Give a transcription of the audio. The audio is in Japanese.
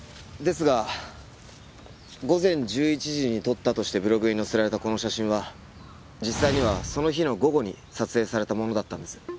ですが午前１１時に撮ったとしてブログに載せられたこの写真は実際にはその日の午後に撮影されたものだったんです。